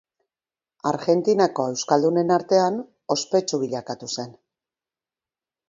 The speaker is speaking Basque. Argentinako euskaldunen artean ospetsu bilakatu zen.